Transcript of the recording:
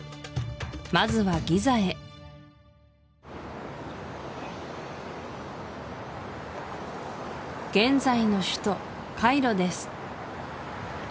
まずはギザへ現在の首都カイロです